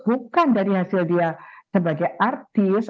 bukan dari hasil dia sebagai artis